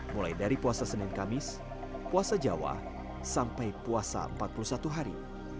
mulai dari puasa senin kamis puasa jawa sampai puasa empat puluh satu hari